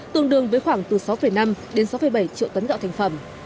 tương đương với khoảng từ sáu năm đến sáu bảy triệu tấn gạo thành phẩm